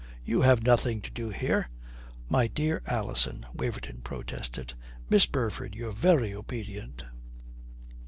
You have nothing to do here." "My dear Alison!" Waverton protested. "Miss Burford, your very obedient."